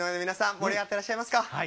盛り上がってらっしゃいますか。